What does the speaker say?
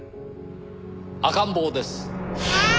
赤ん坊です。